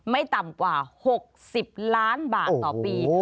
ไม่ต่ำกว่า๖๐ล้านบาทต่อปี